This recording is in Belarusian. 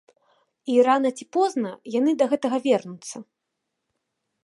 І рана ці позна яны да гэтага вернуцца.